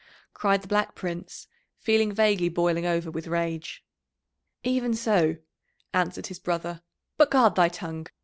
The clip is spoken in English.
cried the Black Prince, feeling vaguely boiling over with rage. "Even so," answered his brother, "but guard thy tongue.